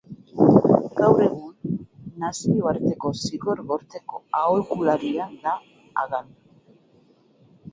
Gaur egun, Nazioarteko Zigor Gorteko aholkularia da Hagan.